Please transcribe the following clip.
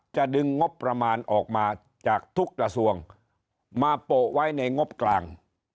จะดึงงบประมาณออกมาจากทุกกระทรวงมาโปะไว้ในงบกลาง